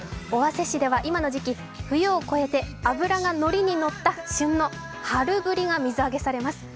尾鷲市では今の時期、冬を超えて脂がのりにのった旬の春ブリが水揚げされます。